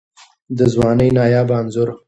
د ځوانۍ نایابه انځور